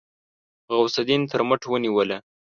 غوث الدين تر مټ ونيوله.